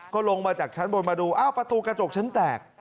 ก็ลงมาจากชั้นบนมาดูอ้าวประตูกระจกชั้นแตก